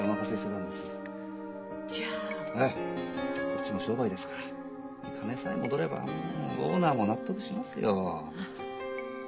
こっちも商売ですから金さえ戻ればオーナーも納得しますよ。